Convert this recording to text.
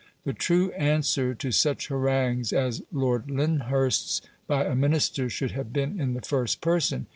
The true answer to such harangues as Lord Lyndhurst's by a Minister should have been in the first person.